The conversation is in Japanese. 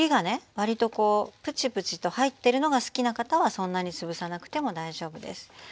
わりとぷちぷちと入ってるのが好きな方はそんなに潰さなくても大丈夫です。